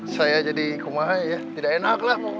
saya jadi kumahe ya tidak enak lah